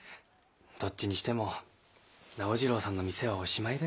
どっちにしても直次郎さんの店はおしまいだよ。